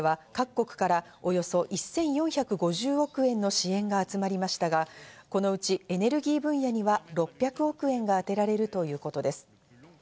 会議では各国からおよそ１４５０億円の支援が集まりましたが、このうちエネルギー分野には６００億円が充てられるということです。